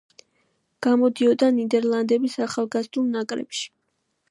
გამოდიოდა ნიდერლანდების ახალგაზრდულ ნაკრებში.